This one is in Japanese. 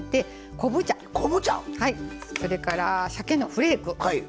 昆布茶⁉それからしゃけのフレーク。